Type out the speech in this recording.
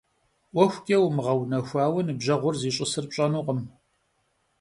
ӀуэхукӀэ умыгъэунэхуауэ ныбжьэгъур зищӀысыр пщӀэнукъым.